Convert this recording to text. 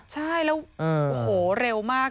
ใช่แล้วโอ้โหเร็วมาก